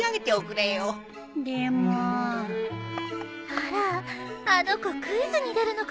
あらあの子クイズに出るのかしら？